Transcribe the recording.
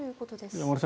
山村さん